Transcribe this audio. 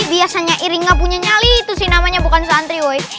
biasanya iri gak punya nyali itu sih namanya bukan santri woy